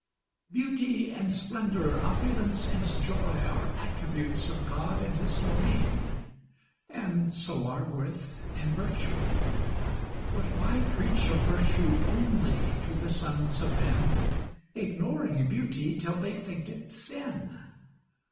Beauty and splendour, opulence and joy, Are attributes of God and His domain, And so are worth and virtue. But why preach Of virtue only to the sons of men, Ignoring beauty, till they think it sin?